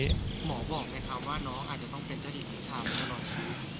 หมอบอกไงครับว่าน้องอาจจะต้องเป็นเจ้าหญิงหรือครับ